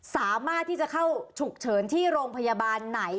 สามารถที่จะเข้าฉุกเฉินที่โรงพยาบาลไหน